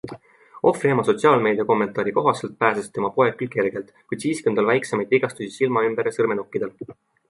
Ohvri ema sotsiaalmeedia kommentaari kohaselt pääses tema poeg küll kergelt, kuid siiski on tal väiksemaid vigastusi silma ümber ja sõrmenukkidel.